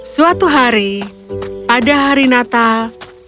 suatu hari pada hari natal